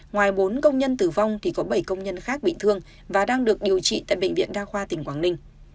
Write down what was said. ngoài bốn công nhân tử vong thì có bảy công nhân khác bị thương và đang được điều trị tại bệnh viện đa khoa tỉnh quảng ninh